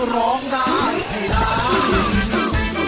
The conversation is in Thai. ร้องได้ให้ร้าน